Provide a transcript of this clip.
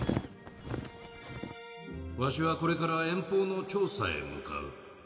「わしはこれから遠方の調査へ向かう。